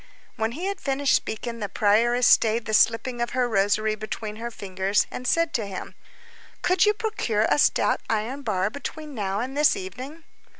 When he had finished speaking, the prioress stayed the slipping of her rosary between her fingers, and said to him:— "Could you procure a stout iron bar between now and this evening?"